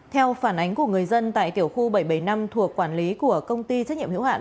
theo phản ánh của người dân tại tiểu khu bảy trăm bảy mươi năm thuộc quản lý của công ty trách nhiệm hữu hạn